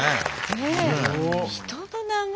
ねえ。